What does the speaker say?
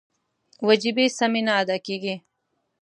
وجیبې سمې نه ادا کېږي.